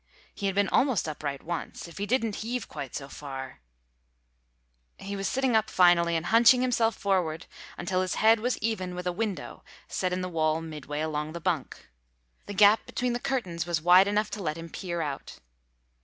He had been almost upright once. If he didn't heave quite so far— He was sitting up finally and hunching himself forward until his head was even with a window set in the wall midway along the bunk. The gap between the curtains was wide enough to let him peer out.